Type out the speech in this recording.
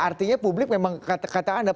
artinya publik memang kata anda